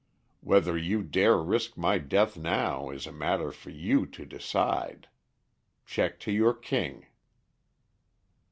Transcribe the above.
Whether you dare risk my death now is a matter for you to decide. Check to your king."